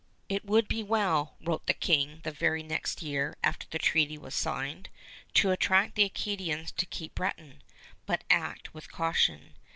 "It would be well," wrote the King the very next year after the treaty was signed, "to attract the Acadians to Cape Breton, but act with caution."